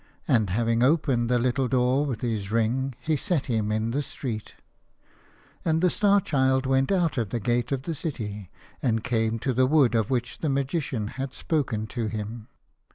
And having opened the little door with his ring he set him in the street. 148 The Stay Child. And the Star Child went out of the gate of the city, and came to the wood of which the Magician had spoken to him.